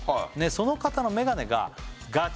その方のメガネがガチ